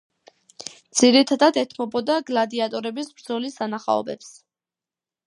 ძირითადად ეთმობოდა გლადიატორების ბრძოლის სანახაობებს.